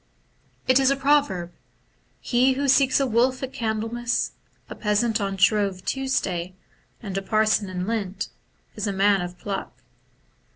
It is a proverb, * He who seeks a wolf at Candlemas, a peasant on Shrove Tuesday, and a parson in Lent, is a man of pluck.'